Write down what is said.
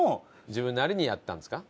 自分なりにやったんですか？